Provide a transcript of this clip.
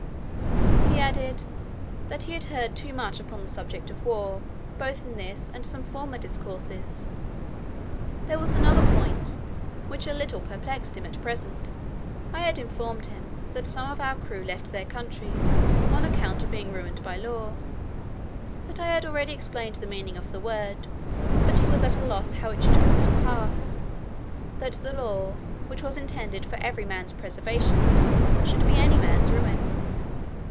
He added, "that he had heard too much upon the subject of war, both in this and some former discourses. There was another point, which a little perplexed him at present. I had informed him, that some of our crew left their country on account of being ruined by law; that I had already explained the meaning of the word; but he was at a loss how it should come to pass, that the law, which was intended for every man's preservation, should be any man's ruin.